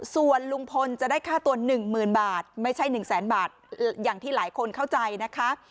ส่วนลุงพลจะได้ค่าตัว๑๐๐๐บาทไม่ใช่๑แสนบาทอย่างที่หลายคนเข้าใจนะคะ